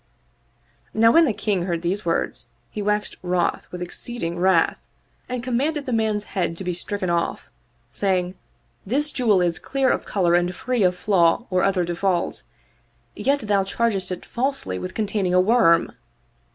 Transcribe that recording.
Now when the King heard these words he waxed wroth with exceeding wrath and commanded the man's head to be stricken off, saying, " This jewel is clear of color and free of flaw or other default; yet thou chargest it falsely with containing a worm